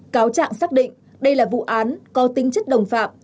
cáo trạng xác định đây là vụ án có tính chất đồng phạm